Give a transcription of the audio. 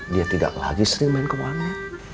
dia tidak lagi sering main ke warna